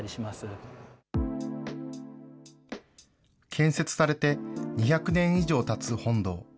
建設されて２００年以上たつ本堂。